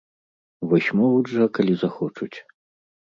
Вось могуць жа, калі захочуць!